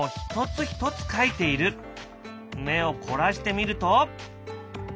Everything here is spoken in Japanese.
目を凝らしてみると。